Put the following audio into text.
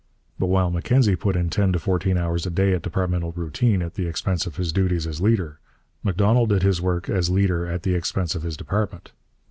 But while Mackenzie put in ten to fourteen hours a day at departmental routine, at the expense of his duties as leader, Macdonald did his work as leader at the expense of his department.